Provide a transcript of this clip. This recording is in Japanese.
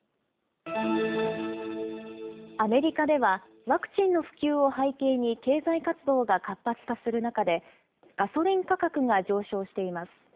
アメリカでは、ワクチンの普及を背景に経済活動が活発化する中で、ガソリン価格が上昇しています。